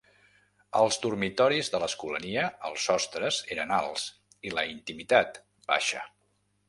Als dormitoris de l'Escolania els sostres eren alts i la intimitat baixa.